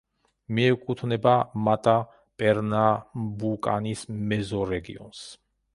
მიეკუთვნება მატა-პერნამბუკანის მეზორეგიონს.